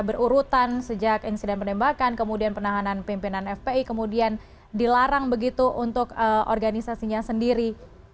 berurutan sejak insiden penembakan kemudian penahanan pimpinan fpi kemudian dilarang begitu untuk organisasinya sendiri